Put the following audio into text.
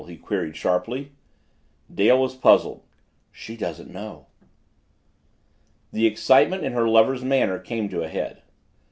he queried sharply. Dale was puzzled. "She doesn't know." The excitement in her lover's manner came to a head.